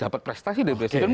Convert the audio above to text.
dapat prestasi dari presiden